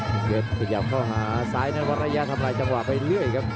พยายามเข้าหาซ้ายน้ำวรรยาทำหลายจังหวะไปเรื่อยครับ